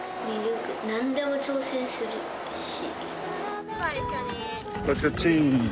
なんでも挑戦するし。